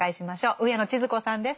上野千鶴子さんです。